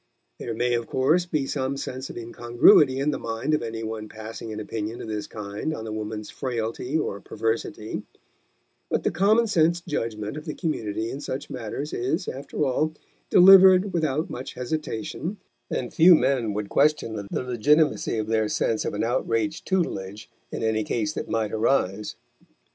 There may of course be some sense of incongruity in the mind of any one passing an opinion of this kind on the woman's frailty or perversity; but the common sense judgment of the community in such matters is, after all, delivered without much hesitation, and few men would question the legitimacy of their sense of an outraged tutelage in any case that might arise.